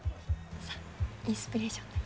さあインスピレーションで。